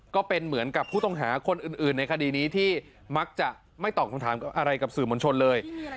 ก็เป็นเหมือนกับผู้ต้องหาคนอื่นในคดีนี้ที่มักจะไม่ตอบคำถามอะไรกับสื่อมวลชนเลย